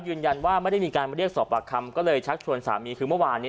ยืนยันว่าไม่ได้มีการมาเรียกสอบปากคำก็เลยชักชวนสามีคือเมื่อวานนี้